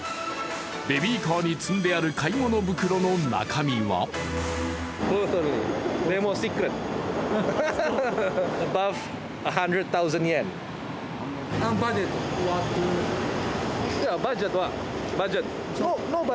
ベヒーカーに積んである買い物袋の中身は？